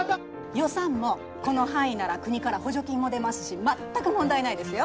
予算もこの範囲なら国から補助金も出ますし全く問題ないですよ。